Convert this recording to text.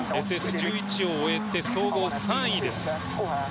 ＳＳ１１を終えて総合３位です。